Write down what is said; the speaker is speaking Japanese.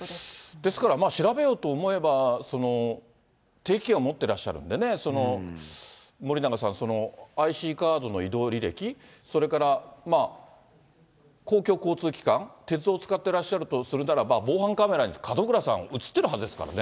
ですから、調べようと思えば、定期券は持ってらっしゃるんでね、森永さん、そのＩＣカードの移動履歴、それから公共交通機関、鉄道を使ってらっしゃるとするならば、防犯カメラに門倉さん、写ってるはずですからね。